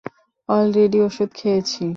Already ওষুধ খেয়েছি।